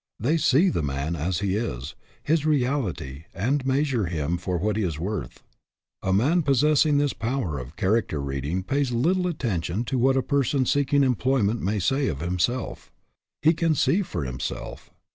They see the man as he is, his reality, and measure him for what he is worth. A man possessing this power of character reading pays little attention to what a person seeking employment may say of himself. He can see for himself.